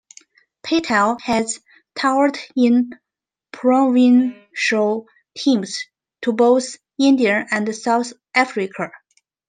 Patel has toured in provincial teams to both India and South Africa.